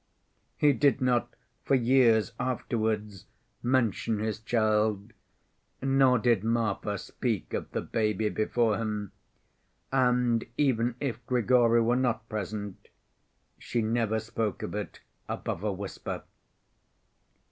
He did not for years afterwards mention his child, nor did Marfa speak of the baby before him, and, even if Grigory were not present, she never spoke of it above a whisper.